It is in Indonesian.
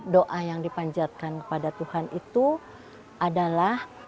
doa yang dipanjatkan kepada tuhan itu adalah